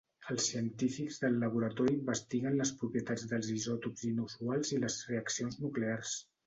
Els científics del laboratori investiguen les propietats dels isòtops inusuals i les reaccions nuclears.